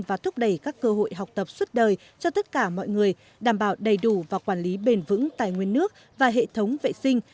và thúc đẩy các cơ hội học tập suốt đời cho tất cả mọi người đảm bảo đầy đủ và quản lý bền vững tài nguyên nước và hệ thống vệ sinh